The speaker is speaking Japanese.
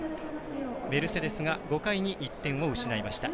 メルセデスが５回に１点を失いました。